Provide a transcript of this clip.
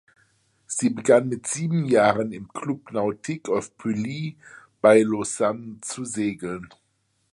Sie begann mit sieben Jahren im Club Nautique of Pully bei Lausanne zu segeln.